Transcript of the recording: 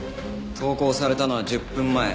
投稿されたのは１０分前。